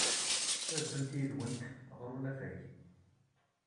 Ad ddunt yid-went ɣer unafag.